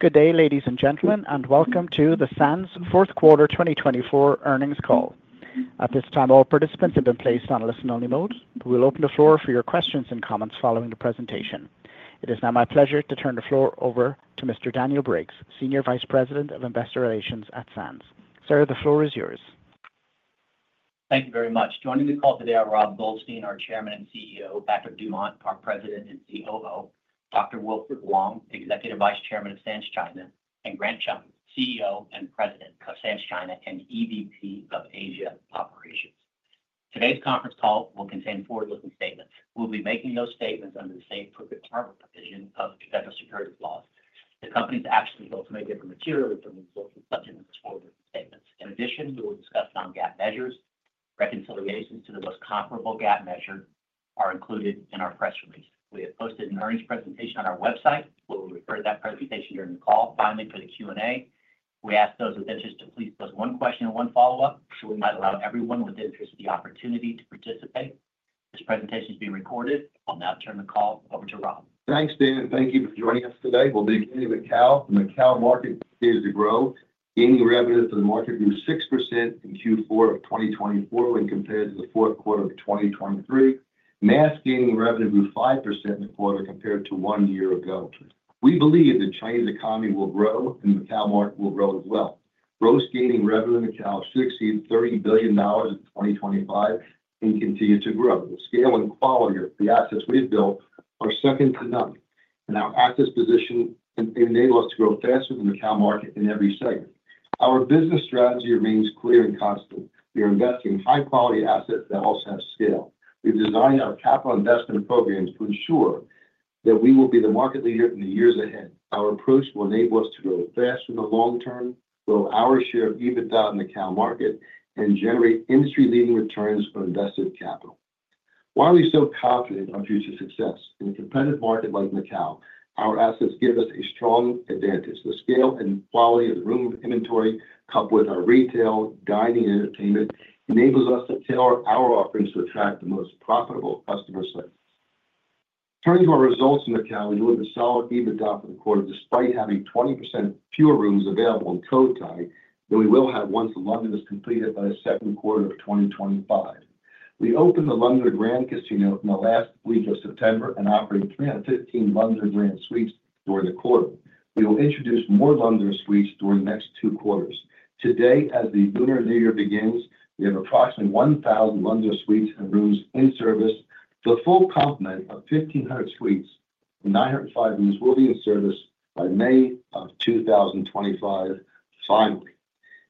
Good day, ladies and gentlemen, and welcome to the Sands Fourth Quarter 2024 Earnings Call. At this time, all participants have been placed on a listen-only mode. We'll open the floor for your questions and comments following the presentation. It is now my pleasure to turn the floor over to Mr. Daniel Briggs, Senior Vice President of Investor Relations at Sands. Sir, the floor is yours. Thank you very much. Joining the call today are Rob Goldstein, our Chairman and CEO; Patrick Dumont, our President and COO; Dr. Wilfred Wong, Executive Vice Chairman of Sands China; and Grant Chum, CEO and President of Sands China and EVP of Asia Operations. Today's conference call will contain forward-looking statements. We'll be making those statements under the Safe Harbor provision of the Federal Securities Laws. The company's actual results could differ materially from the results of such forward-looking statements. In addition, we will discuss non-GAAP measures. Reconciliations to the most comparable GAAP measure are included in our press release. We have posted an earnings presentation on our website. We'll refer to that presentation during the call. Finally, for the Q&A, we ask those with interest to please pose one question and one follow-up, so we might allow everyone with interest the opportunity to participate. This presentation is being recorded. I'll now turn the call over to Rob. Thanks, Daniel. Thank you for joining us today. We'll begin with Macau. The Macau market continues to grow. Gaming revenue for the market grew 6% in Q4 of 2024 when compared to the fourth quarter of 2023. Mass gaming revenue grew 5% in the quarter compared to one year ago. We believe the Chinese economy will grow, and the Macau market will grow as well. Gross gaming revenue in Macau should exceed $30 billion in 2025 and continue to grow. The scale and quality of the assets we've built are second to none, and our assets position enable us to grow faster than the Macau market in every segment. Our business strategy remains clear and constant. We are investing in high-quality assets that also have scale. We've designed our capital investment programs to ensure that we will be the market leader in the years ahead. Our approach will enable us to grow fast in the long term, grow our share of EBITDA in the Macau market, and generate industry-leading returns on invested capital. Why are we so confident in our future success? In a competitive market like Macau, our assets give us a strong advantage. The scale and quality of the room inventory, coupled with our retail, dining, and entertainment, enables us to tailor our offerings to attract the most profitable customer segments. Turning to our results in Macau, we delivered solid EBITDA for the quarter despite having 20% fewer rooms available in Cotai than we will have once The Londoner is completed by the second quarter of 2025. We opened The Londoner Grand Casino in the last week of September and operated 315 The Londoner Grand Suites during the quarter. We will introduce more Londoner Suites during the next two quarters. Today, as the Lunar New Year begins, we have approximately 1,000 Londoner Suites and rooms in service. The full complement of 1,500 Suites and 905 rooms will be in service by May of 2025. Finally,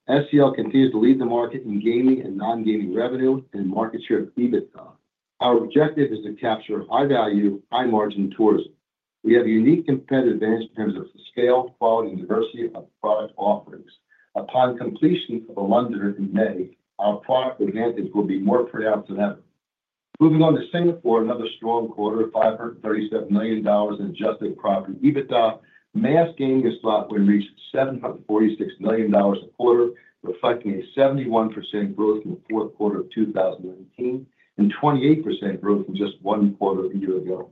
SCL continues to lead the market in gaming and non-gaming revenue and market share of EBITDA. Our objective is to capture high-value, high-margin tourism. We have a unique competitive advantage in terms of the scale, quality, and diversity of product offerings. Upon completion of the Londoner in May, our product advantage will be more pronounced than ever. Moving on to Singapore, another strong quarter of $537 million in adjusted property EBITDA. Mass gaming and slot win and reached $746 million a quarter, reflecting a 71% growth in the fourth quarter of 2019 and 28% growth from just one quarter a year ago.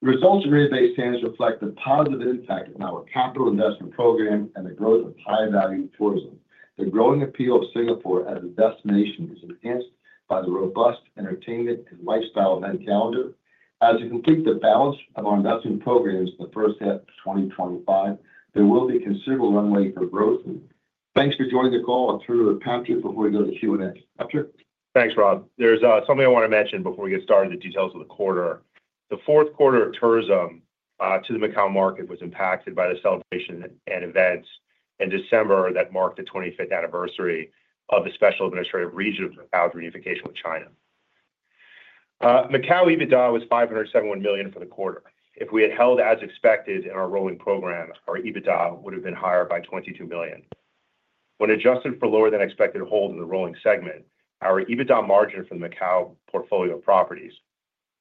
The results from Marina Bay Sands reflect the positive impact on our capital investment program and the growth of high-value tourism. The growing appeal of Singapore as a destination is enhanced by the robust entertainment and lifestyle event calendar. As we complete the balance of our investment programs in the first half of 2025, there will be considerable runway for growth. Thanks for joining the call. I'll turn it over to Patrick before we go to the Q&A. Patrick. Thanks, Rob. There's something I want to mention before we get started in the details of the quarter. The fourth quarter of tourism to the Macau market was impacted by the celebration and events in December that marked the 25th anniversary of the Special Administrative Region of Macau's reunification with China. Macau EBITDA was $571 million for the quarter. If we had held as expected in our rolling program, our EBITDA would have been higher by $22 million. When adjusted for lower-than-expected hold in the rolling segment, our EBITDA margin from the Macau portfolio of properties,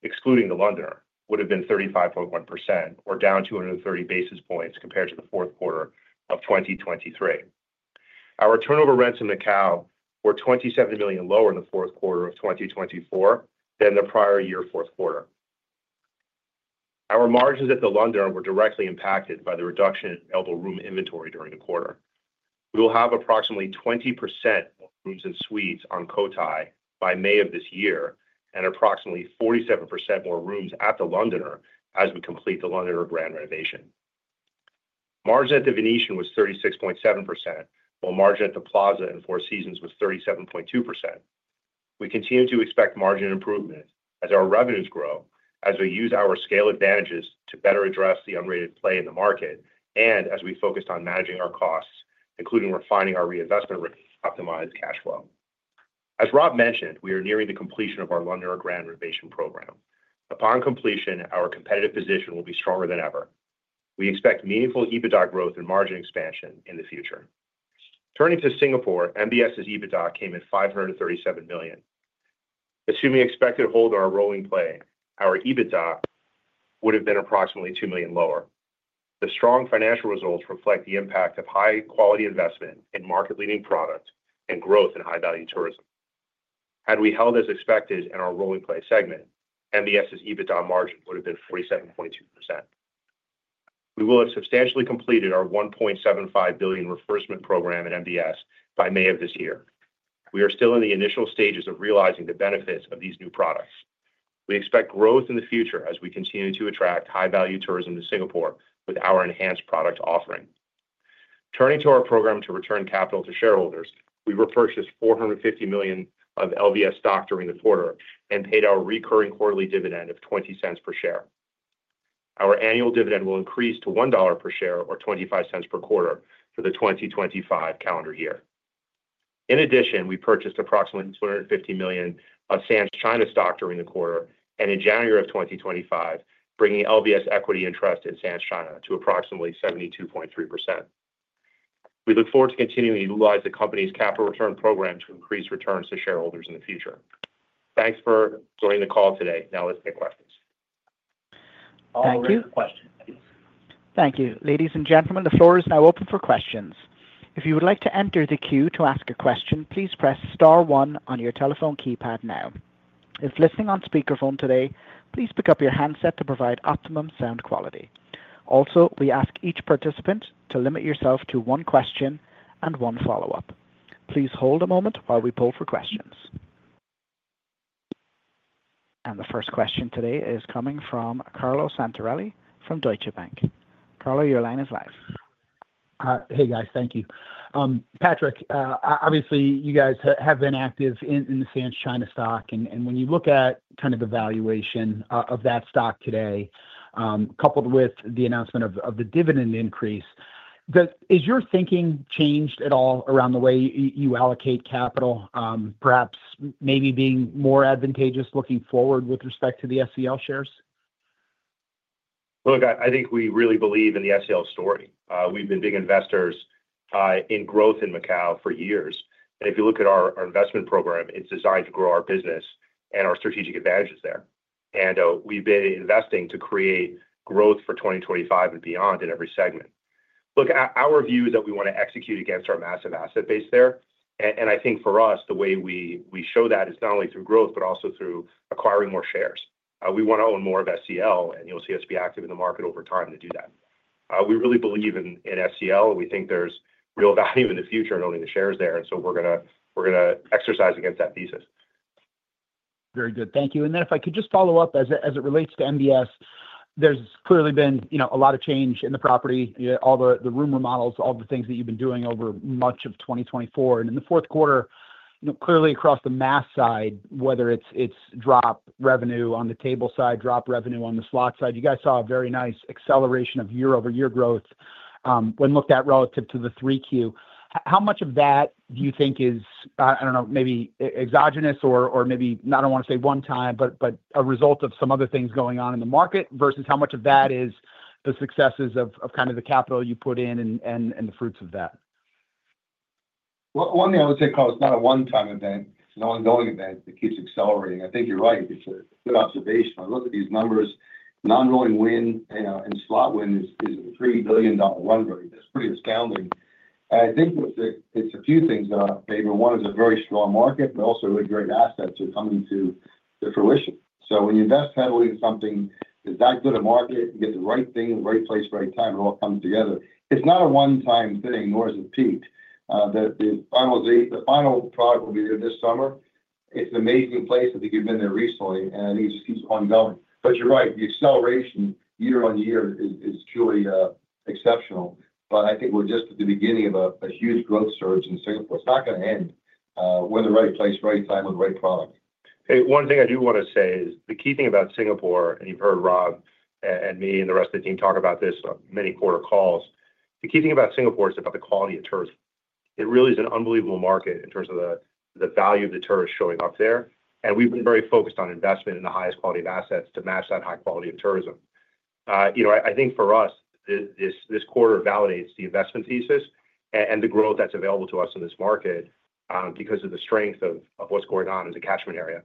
excluding the Londoner, would have been 35.1% or down 230 basis points compared to the fourth quarter of 2023. Our turnover rents in Macau were $27 million lower in the fourth quarter of 2024 than the prior year's fourth quarter. Our margins at The Londoner were directly impacted by the reduction in available room inventory during the quarter. We will have approximately 20% more rooms and suites on Cotai by May of this year and approximately 47% more rooms at The Londoner as we complete the Londoner Grand renovation. Margin at The Venetian was 36.7%, while margin at The Plaza and Four Seasons was 37.2%. We continue to expect margin improvement as our revenues grow, as we use our scale advantages to better address the unrated play in the market, and as we focus on managing our costs, including refining our reinvestment rate to optimize cash flow. As Rob mentioned, we are nearing the completion of our Londoner Grand renovation program. Upon completion, our competitive position will be stronger than ever. We expect meaningful EBITDA growth and margin expansion in the future. Turning to Singapore, MBS's EBITDA came in $537 million. Assuming expected hold on our rolling play, our EBITDA would have been approximately $2 million lower. The strong financial results reflect the impact of high-quality investment in market-leading product and growth in high-value tourism. Had we held as expected in our rolling play segment, MBS's EBITDA margin would have been 47.2%. We will have substantially completed our $1.75 billion reinvestment program at MBS by May of this year. We are still in the initial stages of realizing the benefits of these new products. We expect growth in the future as we continue to attract high-value tourism to Singapore with our enhanced product offering. Turning to our program to return capital to shareholders, we repurchased $450 million of LVS stock during the quarter and paid our recurring quarterly dividend of $0.20 per share. Our annual dividend will increase to $1 per share or $0.25 per quarter for the 2025 calendar year. In addition, we purchased approximately $250 million of Sands China stock during the quarter and in January of 2025, bringing LVS equity interest in Sands China to approximately 72.3%. We look forward to continuing to utilize the company's capital return program to increase returns to shareholders in the future. Thanks for joining the call today. Now, let's take questions. All right. Thank you. Thank you. Ladies and gentlemen, the floor is now open for questions. If you would like to enter the queue to ask a question, please press star one on your telephone keypad now. If listening on speakerphone today, please pick up your handset to provide optimum sound quality. Also, we ask each participant to limit yourself to one question and one follow-up. Please hold a moment while we pull for questions, and the first question today is coming from Carlo Santarelli from Deutsche Bank. Carlo, your line is live. Hey, guys. Thank you. Patrick, obviously, you guys have been active in the Sands China stock and when you look at kind of the valuation of that stock today, coupled with the announcement of the dividend increase, has your thinking changed at all around the way you allocate capital, perhaps maybe being more advantageous looking forward with respect to the SCL shares? Look, I think we really believe in the SCL story. We've been big investors in growth in Macau for years. And if you look at our investment program, it's designed to grow our business and our strategic advantages there. And we've been investing to create growth for 2025 and beyond in every segment. Look, our view is that we want to execute against our massive asset base there. And I think for us, the way we show that is not only through growth, but also through acquiring more shares. We want to own more of SCL, and you'll see us be active in the market over time to do that. We really believe in SCL, and we think there's real value in the future in owning the shares there. And so we're going to exercise against that thesis. Very good. Thank you. And then if I could just follow up as it relates to MBS, there's clearly been a lot of change in the property, all the room remodels, all the things that you've been doing over much of 2024. And in the fourth quarter, clearly across the mass side, whether it's drop revenue on the table side, drop revenue on the slot side, you guys saw a very nice acceleration of year-over-year growth when looked at relative to the 3Q. How much of that do you think is, I don't know, maybe exogenous or maybe not, I don't want to say one-time, but a result of some other things going on in the market versus how much of that is the successes of kind of the capital you put in and the fruits of that? One thing I would say, Carlo, it's not a one-time event. It's an ongoing event that keeps accelerating. I think you're right. It's a good observation. I look at these numbers. Non-rolling win and slot win is a $3 billion run rate. That's pretty astounding. And I think it's a few things that are favorable. One is a very strong market, but also really great assets are coming to fruition. So when you invest heavily in something that's that good a market, you get the right thing at the right place, right time, it all comes together. It's not a one-time thing, nor is it peaked. The final product will be there this summer. It's an amazing place. I think you've been there recently, and I think it just keeps on going. But you're right. The acceleration year on year is truly exceptional. But I think we're just at the beginning of a huge growth surge in Singapore. It's not going to end. We're in the right place, right time with the right product. One thing I do want to say is the key thing about Singapore, and you've heard Rob and me and the rest of the team talk about this on many quarter calls. The key thing about Singapore is about the quality of tourism. It really is an unbelievable market in terms of the value of the tourists showing up there, and we've been very focused on investment in the highest quality of assets to match that high quality of tourism. I think for us, this quarter validates the investment thesis and the growth that's available to us in this market because of the strength of what's going on in the catchment area,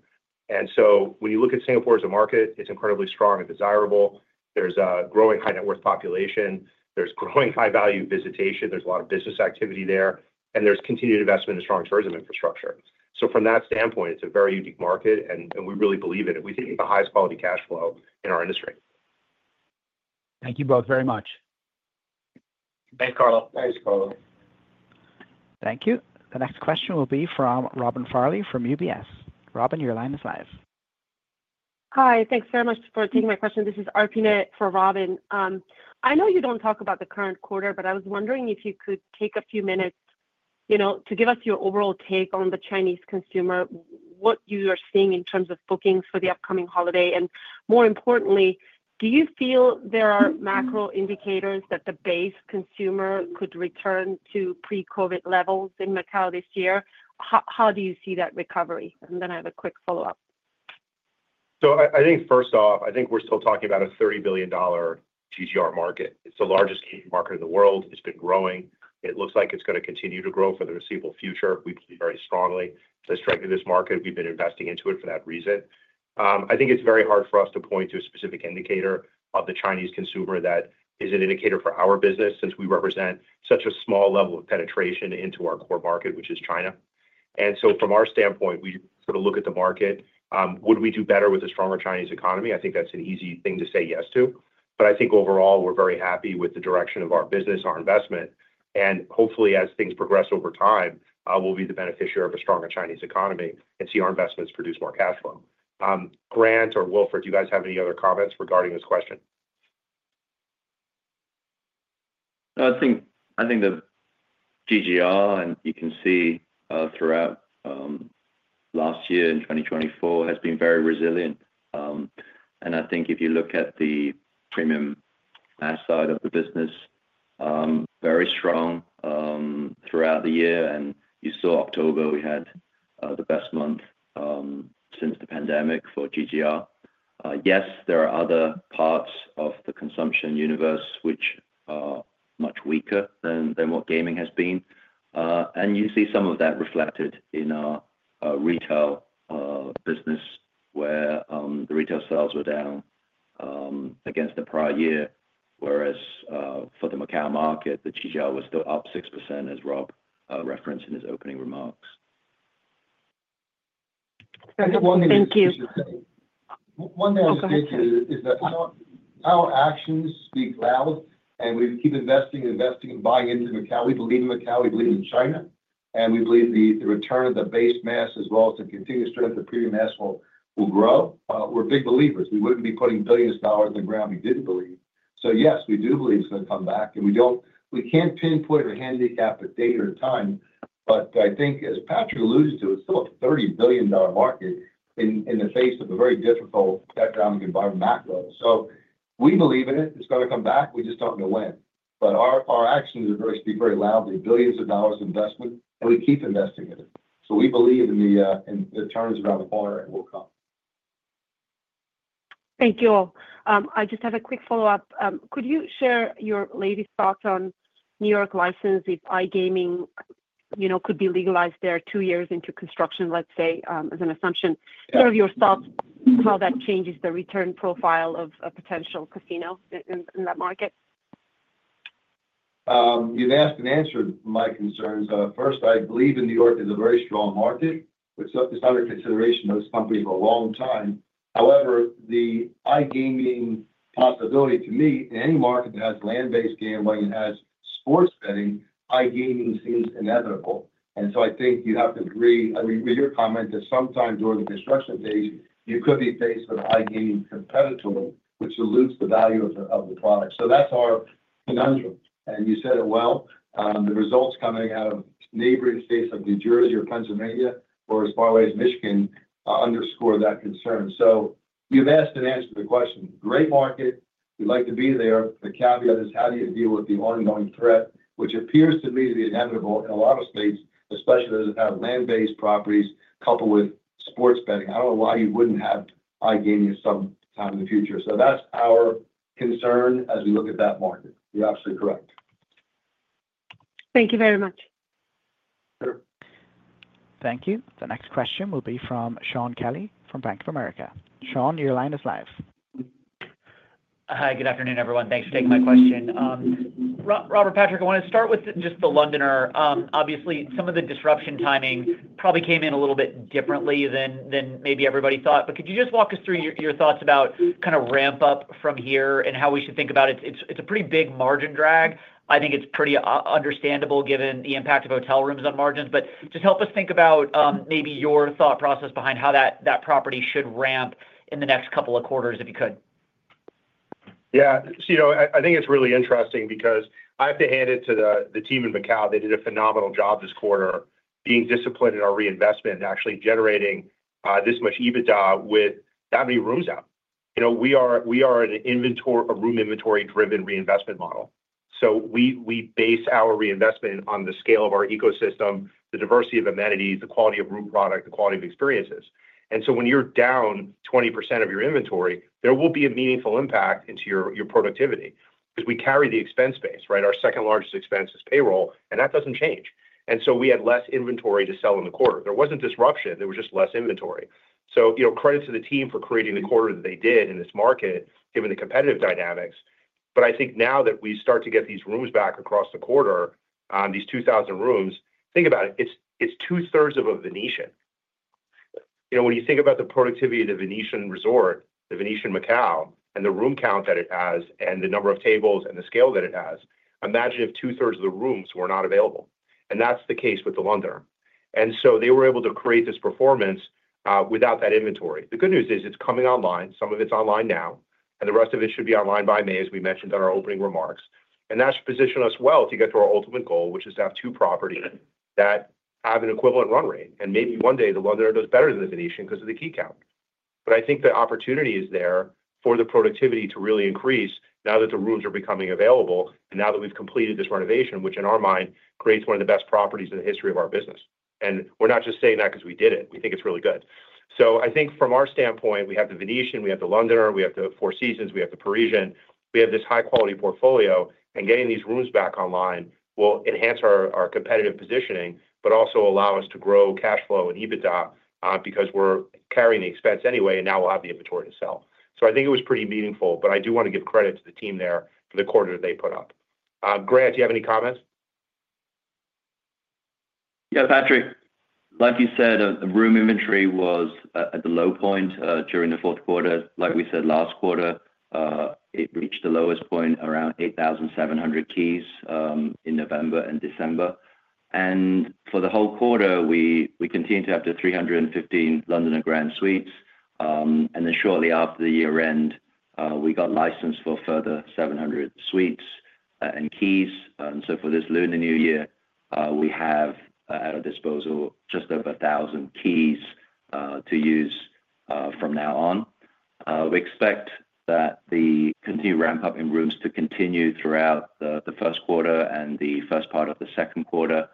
and so when you look at Singapore as a market, it's incredibly strong and desirable. There's a growing high-net-worth population. There's growing high-value visitation. There's a lot of business activity there. There's continued investment in strong tourism infrastructure. From that standpoint, it's a very unique market, and we really believe in it. We think it's the highest quality cash flow in our industry. Thank you both very much. Thanks, Carlo. Thanks, Carlo. Thank you. The next question will be from Robin Farley from UBS. Robin, your line is live. Hi. Thanks very much for taking my question. This is Arpine for Robin. I know you don't talk about the current quarter, but I was wondering if you could take a few minutes to give us your overall take on the Chinese consumer, what you are seeing in terms of bookings for the upcoming holiday, and more importantly, do you feel there are macro indicators that the base consumer could return to pre-COVID levels in Macau this year? How do you see that recovery? And then I have a quick follow-up. So I think first off, I think we're still talking about a $30 billion GGR market. It's the largest market in the world. It's been growing. It looks like it's going to continue to grow for the foreseeable future. We believe very strongly. The strength of this market, we've been investing into it for that reason. I think it's very hard for us to point to a specific indicator of the Chinese consumer that is an indicator for our business since we represent such a small level of penetration into our core market, which is China. And so from our standpoint, we sort of look at the market. Would we do better with a stronger Chinese economy? I think that's an easy thing to say yes to. But I think overall, we're very happy with the direction of our business, our investment. And hopefully, as things progress over time, we'll be the beneficiary of a stronger Chinese economy and see our investments produce more cash flow. Grant or Wilfred, do you guys have any other comments regarding this question? I think the GGR, and you can see throughout last year in 2024, has been very resilient. I think if you look at the premium asset of the business, very strong throughout the year. You saw October, we had the best month since the pandemic for GGR. Yes, there are other parts of the consumption universe which are much weaker than what gaming has been. You see some of that reflected in our retail business where the retail sales were down against the prior year, whereas for the Macau market, the GGR was still up 6%, as Rob referenced in his opening remarks. Thank you. One thing I would say too is that our actions speak loud, and we keep investing and investing and buying into Macau. We believe in Macau. We believe in China, and we believe the return of the base mass as well as the continued strength of premium mass will grow. We're big believers. We wouldn't be putting billions of dollars in the ground if we didn't believe. So yes, we do believe it's going to come back, and we can't pinpoint or handicap a date or a time. But I think, as Patrick alluded to, it's still a $30 billion market in the face of a very difficult economic environment macro. We believe in it. It's going to come back. We just don't know when, but our actions speak very loudly. Billions of dollars of investment, and we keep investing in it. We believe in the turnaround around the corner and we'll come. Thank you all. I just have a quick follow-up. Could you share your latest thoughts on New York license if iGaming could be legalized there two years into construction, let's say, as an assumption? What are your thoughts on how that changes the return profile of a potential casino in that market? You've asked and answered my concerns. First, I believe New York is a very strong market. It's under consideration by this company for a long time. However, the iGaming possibility. To me, in any market that has land-based gambling and has sports betting, iGaming seems inevitable, and so I think you have to agree with your comment that sometimes during the construction phase, you could be faced with iGaming competitors, which dilutes the value of the product. So that's our conundrum, and you said it well. The results coming out of neighboring states like New Jersey or Pennsylvania or as far away as Michigan underscore that concern, so you've asked and answered the question. Great market. We'd like to be there. The caveat is how do you deal with the ongoing threat, which appears to me to be inevitable in a lot of states, especially those that have land-based properties coupled with sports betting. I don't know why you wouldn't have iGaming sometime in the future. So that's our concern as we look at that market. You're absolutely correct. Thank you very much. Sure. Thank you. The next question will be from Shaun Kelley from Bank of America. Shaun, your line is live. Hi. Good afternoon, everyone. Thanks for taking my question. Robert, Patrick, I want to start with just The Londoner. Obviously, some of the disruption timing probably came in a little bit differently than maybe everybody thought. But could you just walk us through your thoughts about kind of ramp up from here and how we should think about it? It's a pretty big margin drag. I think it's pretty understandable given the impact of hotel rooms on margins. But just help us think about maybe your thought process behind how that property should ramp in the next couple of quarters if you could. Yeah. So I think it's really interesting because I have to hand it to the team in Macau. They did a phenomenal job this quarter being disciplined in our reinvestment and actually generating this much EBITDA with that many rooms out. We are an inventory of room inventory-driven reinvestment model. So we base our reinvestment on the scale of our ecosystem, the diversity of amenities, the quality of room product, the quality of experiences. And so when you're down 20% of your inventory, there will be a meaningful impact into your productivity because we carry the expense base, right? Our second largest expense is payroll, and that doesn't change. And so we had less inventory to sell in the quarter. There wasn't disruption. There was just less inventory. So credit to the team for creating the quarter that they did in this market given the competitive dynamics. But I think now that we start to get these rooms back across the quarter, these 2,000 rooms, think about it. It's two-thirds of a Venetian. When you think about the productivity of the Venetian resort, The Venetian Macao, and the room count that it has and the number of tables and the scale that it has, imagine if two-thirds of the rooms were not available. And that's the case with the Londoner. And so they were able to create this performance without that inventory. The good news is it's coming online. Some of it's online now, and the rest of it should be online by May, as we mentioned in our opening remarks. And that should position us well to get to our ultimate goal, which is to have two properties that have an equivalent run rate. And maybe one day the Londoner does better than the Venetian because of the key count. But I think the opportunity is there for the productivity to really increase now that the rooms are becoming available and now that we've completed this renovation, which in our mind creates one of the best properties in the history of our business. And we're not just saying that because we did it. We think it's really good. So I think from our standpoint, we have the Venetian, we have the Londoner, we have the Four Seasons, we have the Parisian. We have this high-quality portfolio, and getting these rooms back online will enhance our competitive positioning, but also allow us to grow cash flow and EBITDA because we're carrying the expense anyway, and now we'll have the inventory to sell. So I think it was pretty meaningful, but I do want to give credit to the team there for the quarter that they put up. Grant, do you have any comments? Yeah, Patrick. Like you said, room inventory was at the low point during the fourth quarter. Like we said last quarter, it reached the lowest point around 8,700 keys in November and December, and for the whole quarter, we continued to have the 315 Londoner Grand Suites, and then shortly after the year-end, we got licensed for further 700 suites and keys, and so for this Lunar New Year, we have at our disposal just over 1,000 keys to use from now on. We expect that the continued ramp-up in rooms to continue throughout the first quarter and the first part of the second quarter.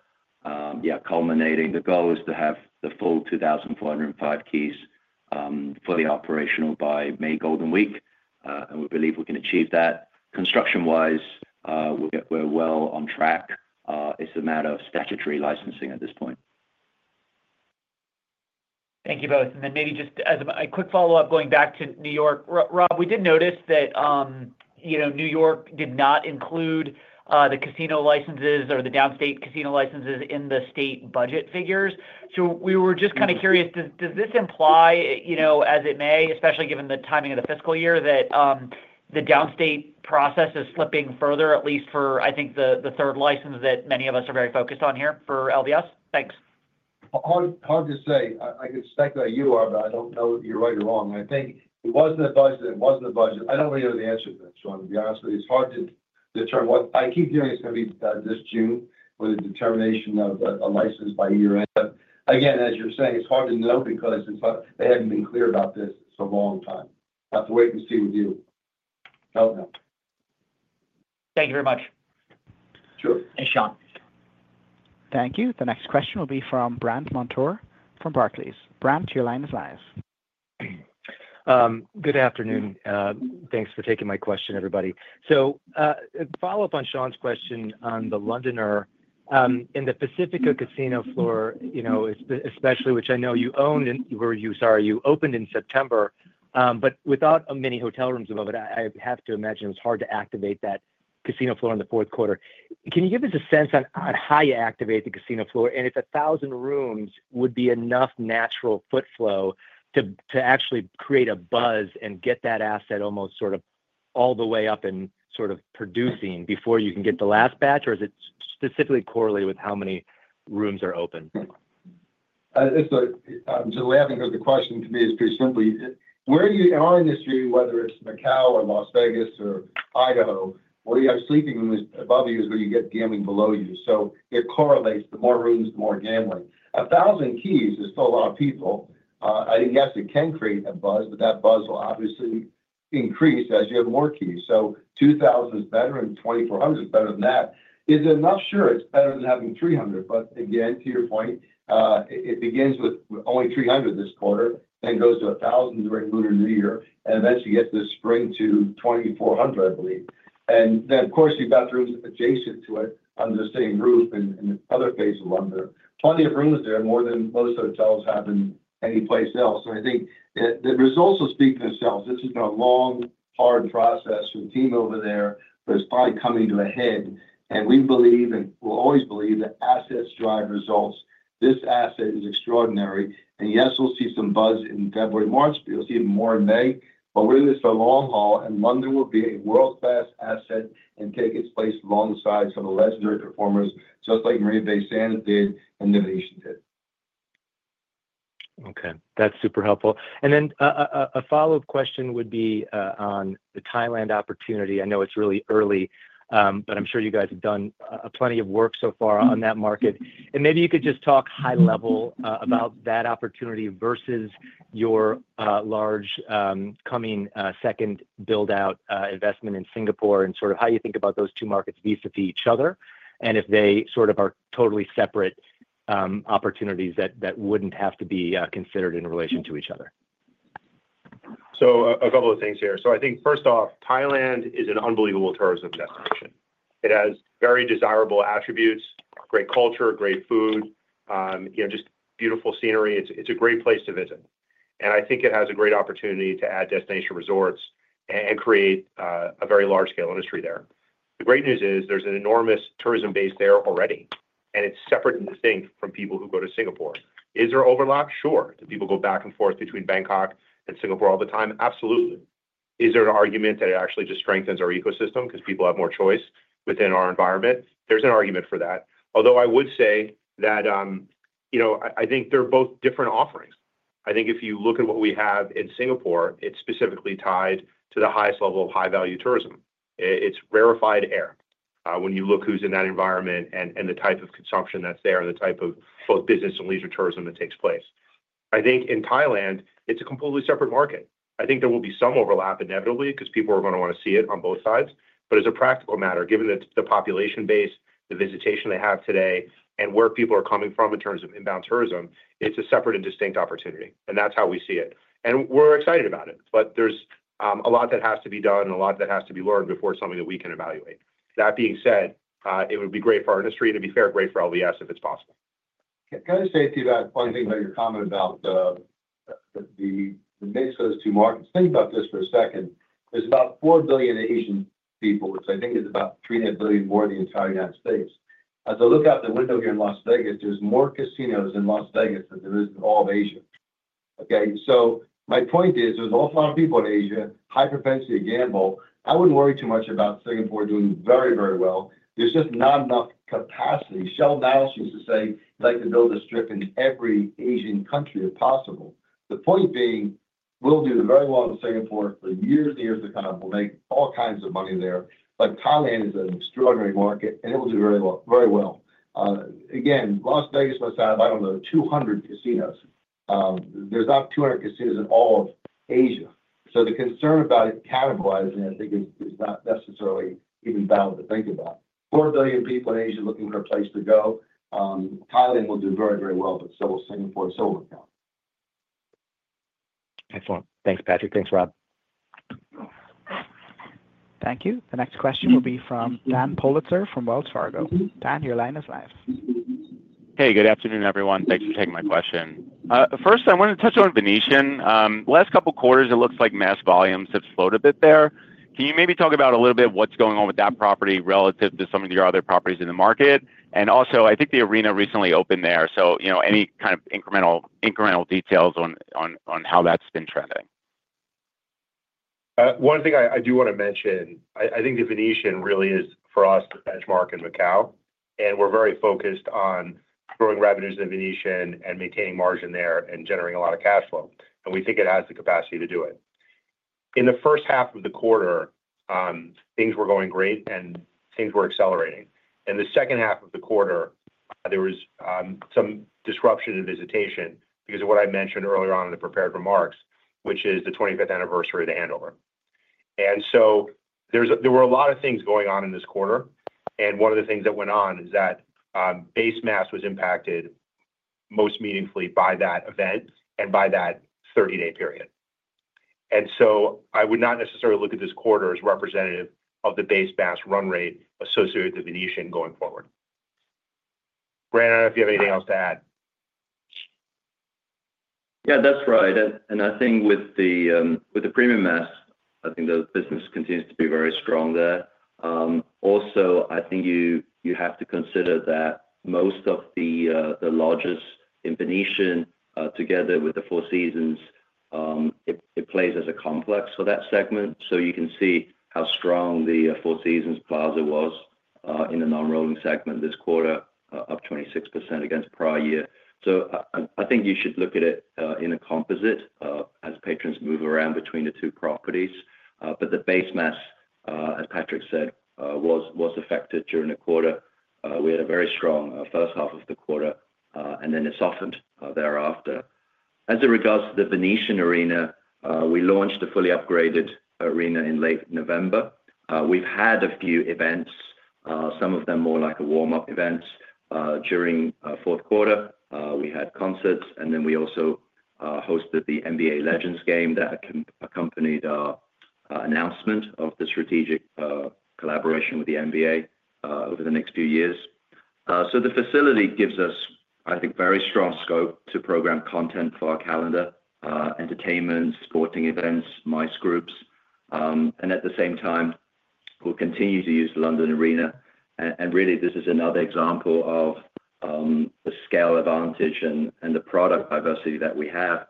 Yeah, culminating. The goal is to have the full 2,405 keys fully operational by May Golden Week, and we believe we can achieve that. Construction-wise, we're well on track. It's a matter of statutory licensing at this point. Thank you both. And then maybe just as a quick follow-up going back to New York, Rob, we did notice that New York did not include the casino licenses or the downstate casino licenses in the state budget figures. So we were just kind of curious, does this imply, as it may, especially given the timing of the fiscal year, that the downstate process is slipping further, at least for, I think, the third license that many of us are very focused on here for LVS? Thanks. Hard to say. I can speculate you are, but I don't know if you're right or wrong. I think it wasn't the budget. It wasn't the budget. I don't really know the answer to that, Shaun, to be honest with you. It's hard to determine. I keep hearing it's going to be this June with a determination of a license by year-end. But again, as you're saying, it's hard to know because they haven't been clear about this for a long time. I have to wait and see with you. Don't know. Thank you very much. Sure. Thanks, Shaun. Thank you. The next question will be from Brandt Montour from Barclays. Brandt, your line is live. Good afternoon. Thanks for taking my question, everybody. So a follow-up on Shaun's question on the Londoner. In the Pacifica casino floor, especially, which I know you owned, sorry, you opened in September, but without many hotel rooms above it, I have to imagine it was hard to activate that casino floor in the fourth quarter. Can you give us a sense on how you activate the casino floor? And if 1,000 rooms would be enough natural foot flow to actually create a buzz and get that asset almost sort of all the way up and sort of producing before you can get the last batch, or is it specifically correlated with how many rooms are open? So to lay up and go to the question, to me, it's pretty simple. Where you are in this year, whether it's Macau or Las Vegas or Idaho, where you have sleeping rooms above you is where you get gambling below you. So it correlates. The more rooms, the more gambling. 1,000 keys is still a lot of people. I think, yes, it can create a buzz, but that buzz will obviously increase as you have more keys. So 2,000 is better and 2,400 is better than that. Is it enough? Sure, it's better than having 300. But again, to your point, it begins with only 300 this quarter, then goes to 1,000 during Lunar New Year, and eventually gets this spring to 2,400, I believe. And then, of course, you've got rooms adjacent to it under the same roof in the other phase of The Londoner. Plenty of rooms there, more than most hotels have in any place else, and I think the results will speak for themselves. This has been a long, hard process for the team over there, but it's finally coming to a head, and we believe, and we'll always believe, that assets drive results. This asset is extraordinary, and yes, we'll see some buzz in February and March, but you'll see it more in May, but we're in this for the long haul, and London will be a world-class asset and take its place alongside some of the legendary performers just like Marina Bay Sands did and the Venetian did. Okay. That's super helpful. And then a follow-up question would be on the Thailand opportunity. I know it's really early, but I'm sure you guys have done plenty of work so far on that market. And maybe you could just talk high-level about that opportunity versus your large coming second build-out investment in Singapore and sort of how you think about those two markets vis-à-vis each other and if they sort of are totally separate opportunities that wouldn't have to be considered in relation to each other. So a couple of things here. So I think, first off, Thailand is an unbelievable tourism destination. It has very desirable attributes, great culture, great food, just beautiful scenery. It's a great place to visit. And I think it has a great opportunity to add destination resorts and create a very large-scale industry there. The great news is there's an enormous tourism base there already, and it's separate and distinct from people who go to Singapore. Is there overlap? Sure. Do people go back and forth between Bangkok and Singapore all the time? Absolutely. Is there an argument that it actually just strengthens our ecosystem because people have more choice within our environment? There's an argument for that. Although I would say that I think they're both different offerings. I think if you look at what we have in Singapore, it's specifically tied to the highest level of high-value tourism. It's rarefied air when you look who's in that environment and the type of consumption that's there and the type of both business and leisure tourism that takes place. I think in Thailand, it's a completely separate market. I think there will be some overlap inevitably because people are going to want to see it on both sides, but as a practical matter, given the population base, the visitation they have today, and where people are coming from in terms of inbound tourism, it's a separate and distinct opportunity, and that's how we see it, and we're excited about it, but there's a lot that has to be done and a lot that has to be learned before it's something that we can evaluate. That being said, it would be great for our industry, and it'd be very great for LVS if it's possible. Can I say to you that one thing about your comment about the mix of those two markets? Think about this for a second. There's about 4 billion Asian people, which I think is about 3.5 billion more than the entire United States. As I look out the window here in Las Vegas, there's more casinos in Las Vegas than there is in all of Asia. Okay? So my point is there's an awful lot of people in Asia, high propensity to gamble. I wouldn't worry too much about Singapore doing very, very well. There's just not enough capacity. Sheldon Adelson used to say he'd like to build a strip in every Asian country if possible. The point being, we'll do very well in Singapore for years and years to come. We'll make all kinds of money there. But Thailand is an extraordinary market, and it will do very well. Again, Las Vegas must have, I don't know, 200 casinos. There's not 200 casinos in all of Asia. So the concern about it cannibalizing, I think, is not necessarily even valid to think about. Four billion people in Asia looking for a place to go. Thailand will do very, very well, but so will Singapore and Silicon Valley. Excellent. Thanks, Patrick. Thanks, Rob. Thank you. The next question will be from Dan Politzer from Wells Fargo. Dan, your line is live. Hey, good afternoon, everyone. Thanks for taking my question. First, I want to touch on Venetian. Last couple of quarters, it looks like mass volumes have slowed a bit there. Can you maybe talk about a little bit what's going on with that property relative to some of your other properties in the market? And also, I think the arena recently opened there. So any kind of incremental details on how that's been trending? One thing I do want to mention, I think the Venetian really is, for us, the benchmark in Macau, and we're very focused on growing revenues in Venetian and maintaining margin there and generating a lot of cash flow. And we think it has the capacity to do it. In the first half of the quarter, things were going great, and things were accelerating. In the second half of the quarter, there was some disruption in visitation because of what I mentioned earlier on in the prepared remarks, which is the 25th anniversary of the handover. And so there were a lot of things going on in this quarter. And one of the things that went on is that base mass was impacted most meaningfully by that event and by that 30-day period. And so I would not necessarily look at this quarter as representative of the base mass run rate associated with the Venetian going forward. Grant, I don't know if you have anything else to add. Yeah, that's right. And I think with the premium mass, I think the business continues to be very strong there. Also, I think you have to consider that most of the lobbies in Venetian, together with the Four Seasons, it plays as a complex for that segment. So you can see how strong the Four Seasons and Plaza was in the non-rolling segment this quarter, up 26% against prior year. So I think you should look at it in a composite as patrons move around between the two properties. But the base mass, as Patrick said, was affected during the quarter. We had a very strong first half of the quarter, and then it softened thereafter. As regards to the Venetian Arena, we launched a fully upgraded arena in late November. We've had a few events, some of them more like warm-up events during fourth quarter. We had concerts, and then we also hosted the NBA Legends game that accompanied our announcement of the strategic collaboration with the NBA over the next few years, so the facility gives us, I think, very strong scope to program content for our calendar, entertainment, sporting events, MICE groups, and at the same time, we'll continue to use the Londoner Arena, and really, this is another example of the scale advantage and the product diversity that we have.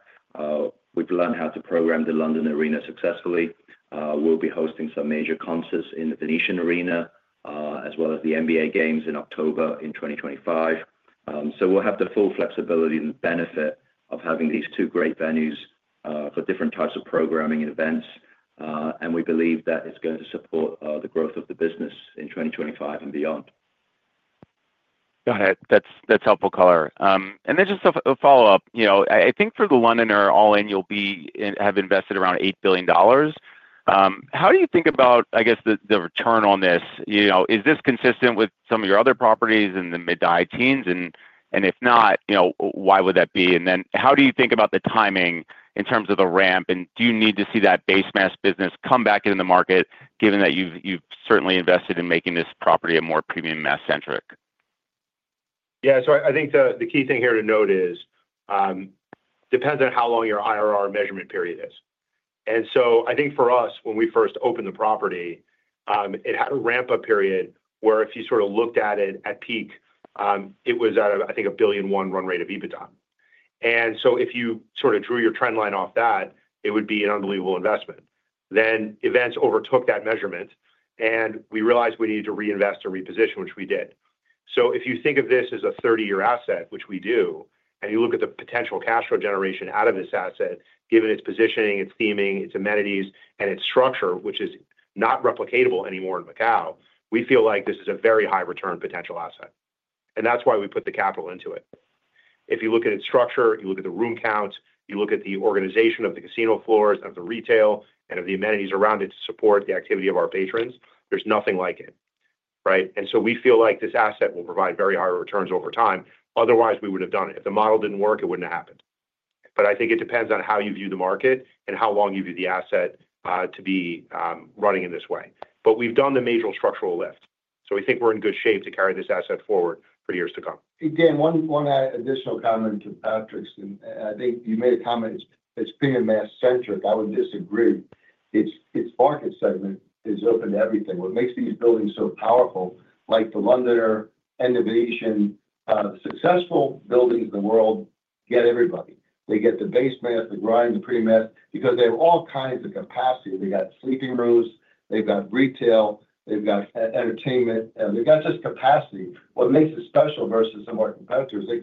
We've learned how to program the Londoner Arena successfully. We'll be hosting some major concerts in the Venetian Arena, as well as the NBA games in October in 2025, so we'll have the full flexibility and benefit of having these two great venues for different types of programming and events, and we believe that it's going to support the growth of the business in 2025 and beyond. Got it. That's helpful color. And then just a follow-up. I think for the Londoner all-in, you'll have invested around $8 billion. How do you think about, I guess, the return on this? Is this consistent with some of your other properties in the mid-90s? And if not, why would that be? And then how do you think about the timing in terms of the ramp? And do you need to see that base mass business come back into the market, given that you've certainly invested in making this property a more premium mass-centric? Yeah. So I think the key thing here to note is it depends on how long your IRR measurement period is. And so I think for us, when we first opened the property, it had a ramp-up period where if you sort of looked at it at peak, it was at, I think, a $1.1 billion run rate of EBITDA. And so if you sort of drew your trend line off that, it would be an unbelievable investment. Then events overtook that measurement, and we realized we needed to reinvest or reposition, which we did. So if you think of this as a 30-year asset, which we do, and you look at the potential cash flow generation out of this asset, given its positioning, its theming, its amenities, and its structure, which is not replicatable anymore in Macau, we feel like this is a very high-return potential asset. And that's why we put the capital into it. If you look at its structure, you look at the room count, you look at the organization of the casino floors and of the retail and of the amenities around it to support the activity of our patrons, there's nothing like it. Right? And so we feel like this asset will provide very high returns over time. Otherwise, we would have done it. If the model didn't work, it wouldn't have happened. But I think it depends on how you view the market and how long you view the asset to be running in this way. But we've done the major structural lift. So we think we're in good shape to carry this asset forward for years to come. Dan, one additional comment to Patrick's. I think you made a comment. It's premium mass-centric. I would disagree. Its market segment is open to everything. What makes these buildings so powerful, like the Londoner and the Venetian, successful buildings in the world, get everybody. They get the base mass, the grind, the premium mass, because they have all kinds of capacity. They got sleeping rooms, they've got retail, they've got entertainment, and they've got just capacity. What makes it special versus some of our competitors? They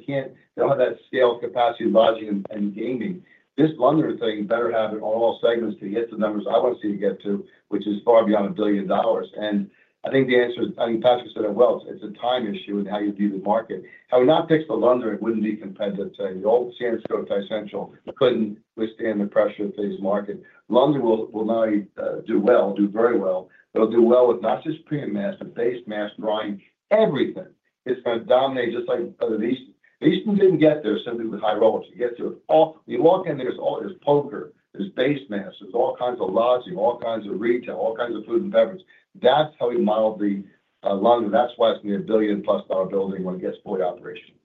don't have that scale of capacity, lodging, and gaming. This Londoner thing better have it on all segments to get the numbers I want to see it get to, which is far beyond $1 billion. I think the answer is, I think Patrick said it well, it's a time issue in how you view the market. Had we not picked the Londoner, it wouldn't be competitive. The old Sands Cotai Central couldn't withstand the pressure of today's market. Londoner will now do well, do very well. They'll do well with not just premium mass, but base mass, grind, everything. It's going to dominate just like the East. The East didn't get there simply with high rollers. You get there with all you walk in there, there's poker, there's base mass, there's all kinds of lodging, all kinds of retail, all kinds of food and beverage. That's how we modeled the Londoner. That's why it's going to be a $1 billion-plus building when it gets fully operational.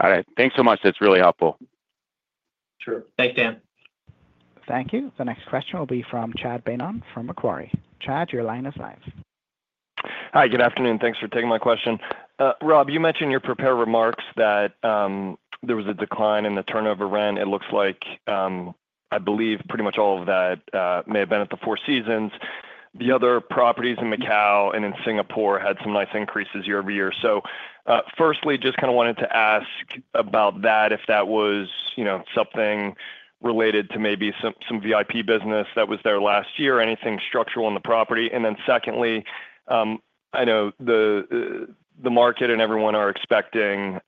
Got it. Thanks so much. That's really helpful. Sure. Thanks, Dan. Thank you. The next question will be from Chad Beynon from Macquarie. Chad, your line is live. Hi, good afternoon. Thanks for taking my question. Rob, you mentioned in your prepared remarks that there was a decline in the turnover rent. It looks like, I believe, pretty much all of that may have been at the Four Seasons. The other properties in Macau and in Singapore had some nice increases year over year. So firstly, just kind of wanted to ask about that, if that was something related to maybe some VIP business that was there last year, anything structural in the property. And then secondly, I know the market and everyone are expecting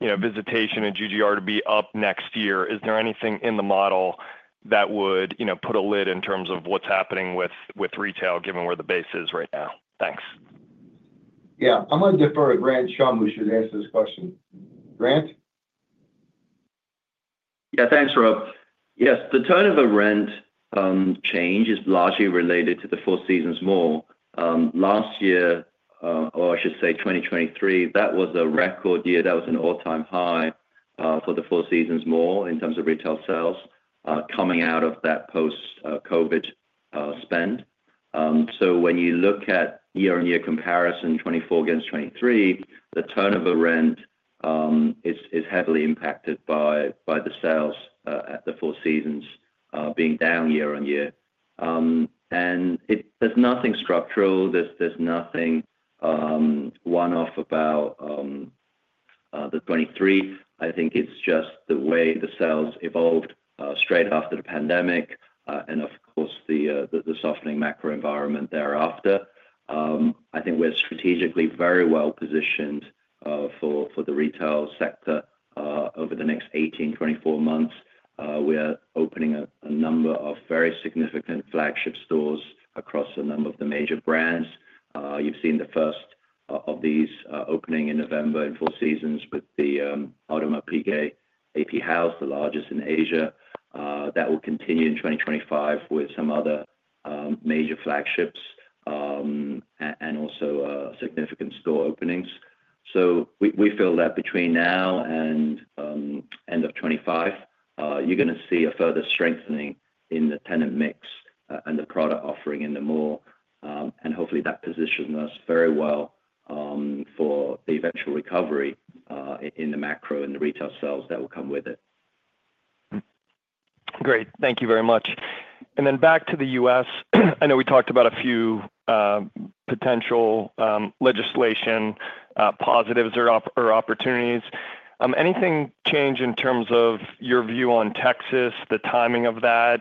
visitation and GGR to be up next year. Is there anything in the model that would put a lid on in terms of what's happening with retail, given where the base is right now? Thanks. Yeah. I'm going to defer to Grant Chum, who should answer this question. Grant? Yeah, thanks, Rob. Yes, the turnover rent change is largely related to the Four Seasons Mall. Last year, or I should say 2023, that was a record year. That was an all-time high for the Four Seasons Mall in terms of retail sales coming out of that post-COVID spend. So when you look at year-on-year comparison, 2024 against 2023, the turnover rent is heavily impacted by the sales at the Four Seasons being down year on year. And there's nothing structural. There's nothing one-off about the 2023. I think it's just the way the sales evolved straight after the pandemic and, of course, the softening macro environment thereafter. I think we're strategically very well positioned for the retail sector over the next 18-24 months. We're opening a number of very significant flagship stores across a number of the major brands. You've seen the first of these opening in November in Four Seasons with the Audemars Piguet AP House, the largest in Asia. That will continue in 2025 with some other major flagships and also significant store openings. So we feel that between now and end of 2025, you're going to see a further strengthening in the tenant mix and the product offering in the mall. And hopefully, that positions us very well for the eventual recovery in the macro and the retail sales that will come with it. Great. Thank you very much. And then back to the U.S. I know we talked about a few potential legislation positives or opportunities. Anything change in terms of your view on Texas, the timing of that,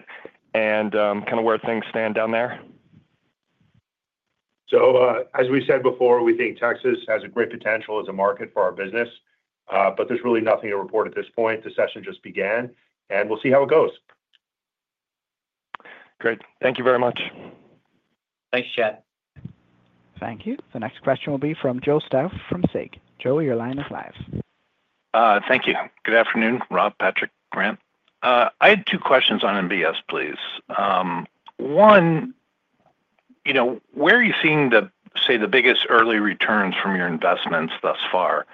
and kind of where things stand down there? So as we said before, we think Texas has a great potential as a market for our business, but there's really nothing to report at this point. The session just began, and we'll see how it goes. Great. Thank you very much. Thanks, Chad. Thank you. The next question will be from Joe Stauff from SIG. Joe, your line is live. Thank you. Good afternoon, Rob, Patrick, Grant. I had two questions on MBS, please. One, where are you seeing, say, the biggest early returns from your investments thus far?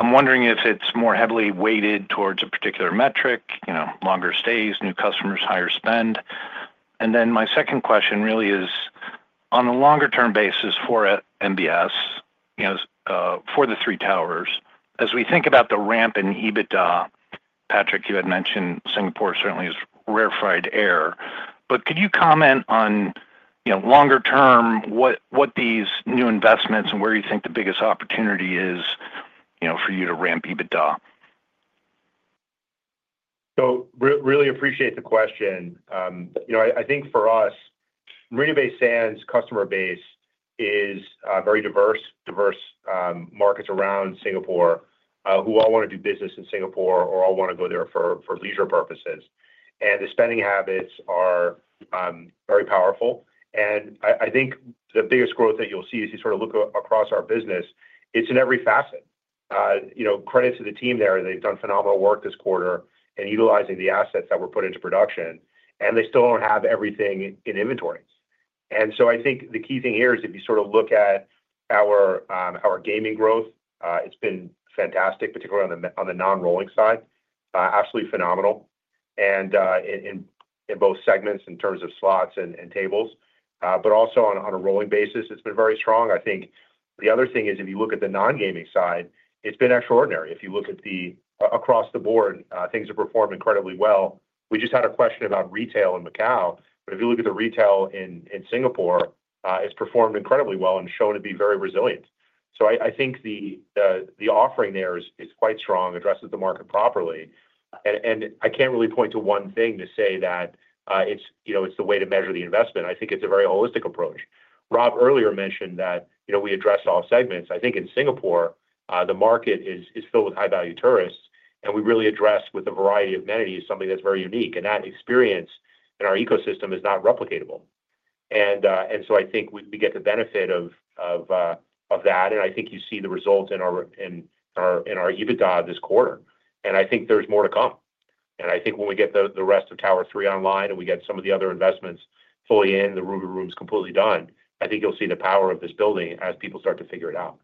I'm wondering if it's more heavily weighted towards a particular metric, longer stays, new customers, higher spend. And then my second question really is, on a longer-term basis for MBS, for the three towers, as we think about the ramp in EBITDA, Patrick, you had mentioned Singapore certainly is rarefied air. But could you comment on longer-term what these new investments and where you think the biggest opportunity is for you to ramp EBITDA? I really appreciate the question. I think for us, Marina Bay Sands' customer base is very diverse, diverse markets around Singapore who all want to do business in Singapore or all want to go there for leisure purposes. The spending habits are very powerful. I think the biggest growth that you'll see as you sort of look across our business, it's in every facet. Credit to the team there. They've done phenomenal work this quarter in utilizing the assets that were put into production, and they still don't have everything in inventory. I think the key thing here is if you sort of look at our gaming growth, it's been fantastic, particularly on the non-rolling side, absolutely phenomenal in both segments in terms of slots and tables, but also on a rolling basis, it's been very strong. I think the other thing is if you look at the non-gaming side, it's been extraordinary. If you look at it across the board, things have performed incredibly well. We just had a question about retail in Macau, but if you look at the retail in Singapore, it's performed incredibly well and shown to be very resilient. So I think the offering there is quite strong, addresses the market properly. And I can't really point to one thing to say that it's the way to measure the investment. I think it's a very holistic approach. Rob earlier mentioned that we address all segments. I think in Singapore, the market is filled with high-value tourists, and we really address with a variety of amenities, something that's very unique. And that experience in our ecosystem is not replicatable. And so I think we get the benefit of that, and I think you see the result in our EBITDA this quarter. And I think there's more to come. And I think when we get the rest of Tower 3 online and we get some of the other investments fully in, the Ruby Room's completely done, I think you'll see the power of this building as people start to figure it out.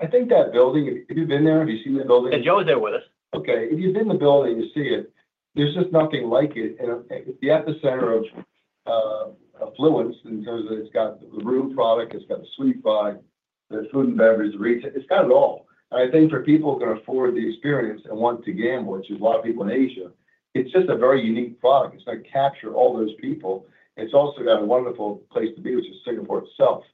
I think that building, have you been there? Have you seen the building? Joe's there with us. Okay. If you've been in the building and you see it, there's just nothing like it. It's the epicenter of affluence in terms of it's got the room product, it's got the sleep product, the food and beverage, the retail. It's got it all. And I think for people who can afford the experience and want to gamble, which is a lot of people in Asia, it's just a very unique product. It's going to capture all those people. It's also got a wonderful place to be, which is Singapore itself.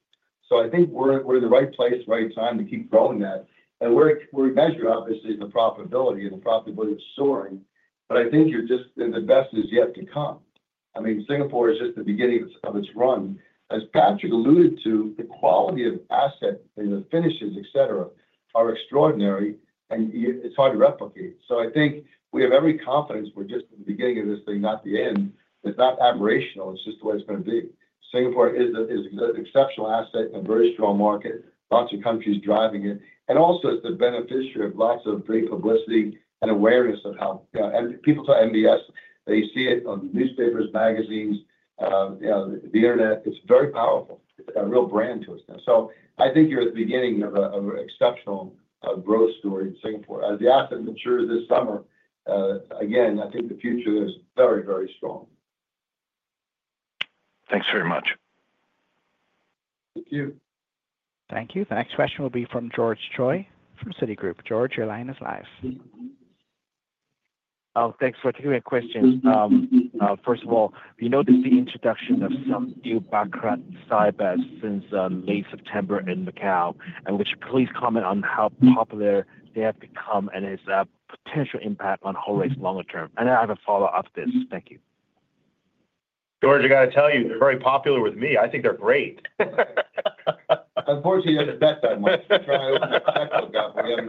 So I think we're in the right place, right time to keep growing that. And where we measure, obviously, is the profitability, and the profitability is soaring. But I think the best is yet to come. I mean, Singapore is just the beginning of its run. As Patrick alluded to, the quality of asset and the finishes, etc., are extraordinary, and it's hard to replicate. So I think we have every confidence we're just at the beginning of this thing, not the end. It's not aberrational. It's just the way it's going to be. Singapore is an exceptional asset and a very strong market. Lots of countries driving it. And also, it's the beneficiary of lots of great publicity and awareness of how people talk MBS. They see it on the newspapers, magazines, the internet. It's very powerful. It's got a real brand to it. So I think you're at the beginning of an exceptional growth story in Singapore. As the asset matures this summer, again, I think the future is very, very strong. Thanks very much. Thank you. Thank you. The next question will be from George Choi from Citigroup. George, your line is live. Thanks for taking my question. First of all, we noticed the introduction of some new baccarat side bets since late September in Macau, and would you please comment on how popular they have become and its potential impact on hold rates longer term? And I have a follow-up to this. Thank you. George, I got to tell you, they're very popular with me. I think they're great. Unfortunately, you haven't bet that much. Try to open up your checkbook.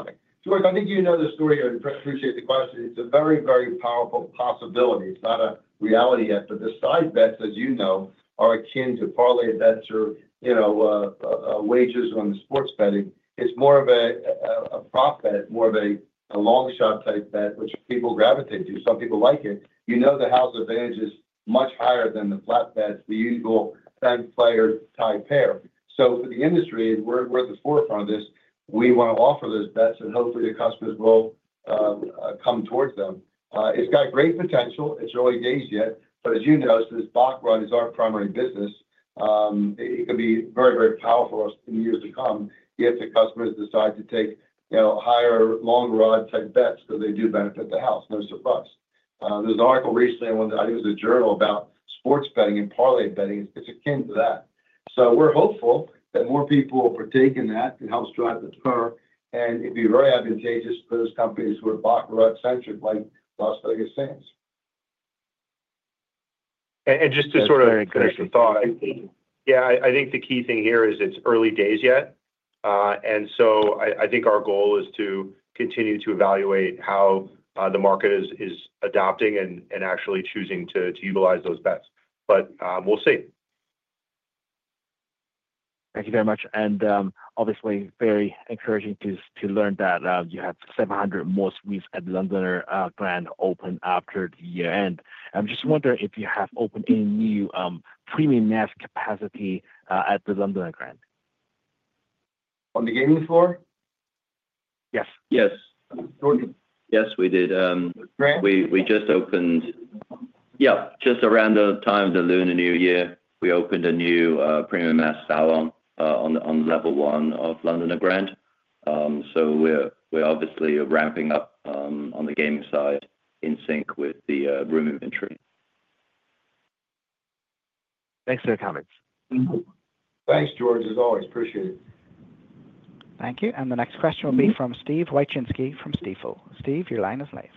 George, I think you know the story and appreciate the question. It's a very, very powerful possibility. It's not a reality yet, but the side bets, as you know, are akin to parlay bets or wagers on the sports betting. It's more of a prop bet, more of a long-shot type bet, which people gravitate to. Some people like it. You know the house advantage is much higher than the flat bets, the usual banker player tie pair. So for the industry, we're at the forefront of this. We want to offer those bets, and hopefully, the customers will come towards them. It's got great potential. It's early days yet, but as you know, since baccarat is our primary business, it can be very, very powerful in the years to come if the customers decide to take higher longer hold type bets because they do benefit the house, no surprise. There was an article recently on what I think was a journal about sports betting and parlay betting. It's akin to that. So we're hopeful that more people will partake in that. It helps drive the turnover, and it'd be very advantageous for those companies who are baccarat centric like Las Vegas Sands. Just to sort of. Yeah, I think the key thing here is it's early days yet. And so I think our goal is to continue to evaluate how the market is adopting and actually choosing to utilize those bets. But we'll see. Thank you very much. And obviously, very encouraging to learn that you have 700 more suites at the Londoner Grand open after the year-end. I'm just wondering if you have opened any new premium mass capacity at the Londoner Grand? On the gaming floor? Yes. Yes. Yes, we did. We just opened, yeah, just around the time of the Lunar New Year, we opened a new premium mass salon on level one of Londoner Grand. So we're obviously ramping up on the gaming side in sync with the room inventory. Thanks for the comments. Thanks, George, as always. Appreciate it. Thank you. And the next question will be from Steve Wieczynski from Stifel. Steve, your line is live.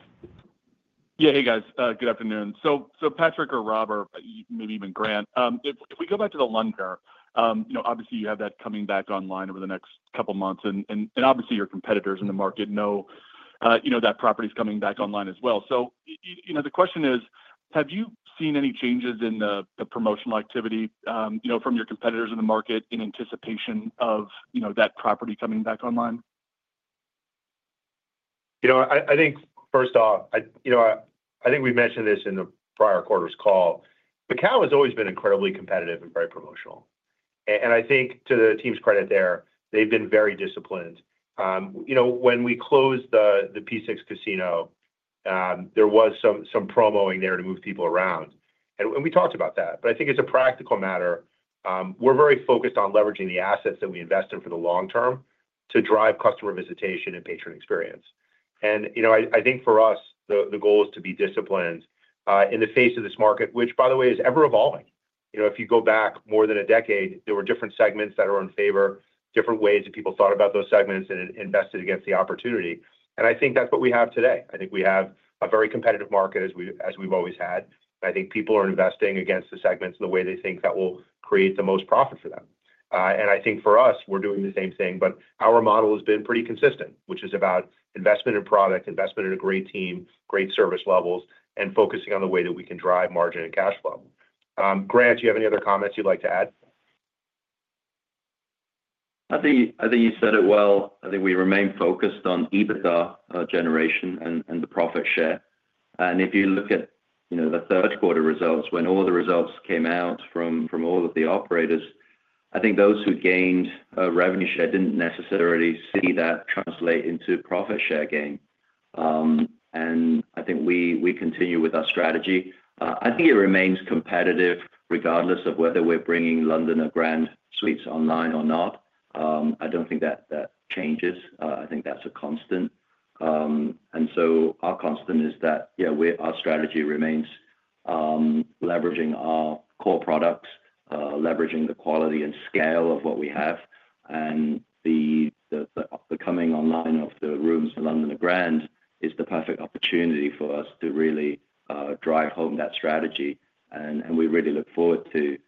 Yeah, hey, guys. Good afternoon, so Patrick or Rob, or maybe even Grant, if we go back to the Londoner, obviously you have that coming back online over the next couple of months, and obviously your competitors in the market know that property is coming back online as well, so the question is, have you seen any changes in the promotional activity from your competitors in the market in anticipation of that property coming back online? I think, first off, I think we mentioned this in the prior quarter's call. Macau has always been incredibly competitive and very promotional, and I think to the team's credit there, they've been very disciplined. When we closed the Pacifica casino, there was some promoting there to move people around, and we talked about that, but I think it's a practical matter. We're very focused on leveraging the assets that we invest in for the long term to drive customer visitation and patron experience. And I think for us, the goal is to be disciplined in the face of this market, which, by the way, is ever evolving. If you go back more than a decade, there were different segments that are in favor, different ways that people thought about those segments and invested against the opportunity, and I think that's what we have today. I think we have a very competitive market as we've always had. And I think people are investing against the segments in the way they think that will create the most profit for them. And I think for us, we're doing the same thing, but our model has been pretty consistent, which is about investment in product, investment in a great team, great service levels, and focusing on the way that we can drive margin and cash flow. Grant, do you have any other comments you'd like to add? I think you said it well. I think we remain focused on EBITDA generation and the profit share. And if you look at the third quarter results, when all the results came out from all of the operators, I think those who gained revenue share didn't necessarily see that translate into profit share gain. And I think we continue with our strategy. I think it remains competitive regardless of whether we're bringing Londoner Grand Suites online or not. I don't think that changes. I think that's a constant. And so our constant is that, yeah, our strategy remains leveraging our core products, leveraging the quality and scale of what we have. And the coming online of the rooms in Londoner Grand is the perfect opportunity for us to really drive home that strategy. We really look forward to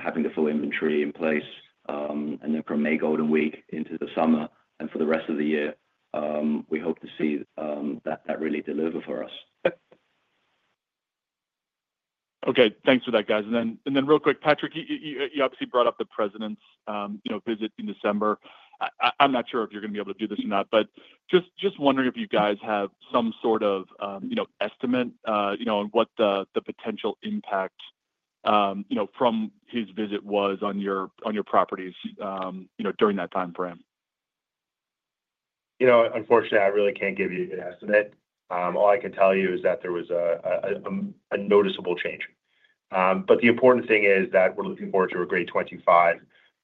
having the full inventory in place and then from May Golden Week into the summer and for the rest of the year, we hope to see that really deliver for us. Okay. Thanks for that, guys. And then real quick, Patrick, you obviously brought up the president's visit in December. I'm not sure if you're going to be able to do this or not, but just wondering if you guys have some sort of estimate on what the potential impact from his visit was on your properties during that time frame? Unfortunately, I really can't give you an estimate. All I can tell you is that there was a noticeable change. But the important thing is that we're looking forward to a great 2025. We're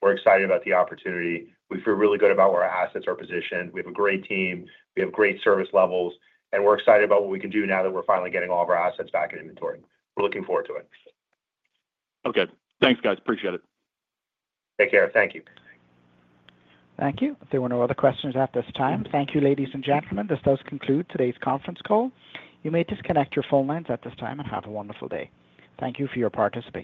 excited about the opportunity. We feel really good about where our assets are positioned. We have a great team. We have great service levels. And we're excited about what we can do now that we're finally getting all of our assets back in inventory. We're looking forward to it. Okay. Thanks, guys. Appreciate it. Take care. Thank you. Thank you. If there were no other questions at this time, thank you, ladies and gentlemen. This does conclude today's conference call. You may disconnect your phone lines at this time and have a wonderful day. Thank you for your participation.